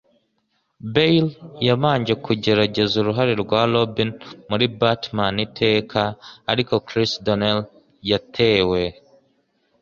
Bale yabanje kugerageza uruhare rwa Robin muri Batman Iteka, ariko Chris O'Donnell yatewe.